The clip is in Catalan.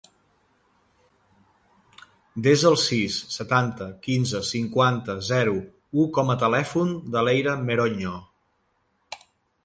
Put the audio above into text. Desa el sis, setanta, quinze, cinquanta, zero, u com a telèfon de l'Eira Meroño.